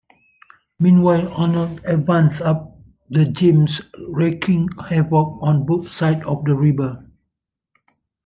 Meanwhile, Arnold advanced up the James, wreaking havoc on both sides of the river.